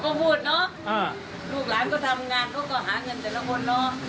คือพูดก็พูดเนอะลูกหลานก็ทำงานก็หาเงินแต่ละบนเนอะ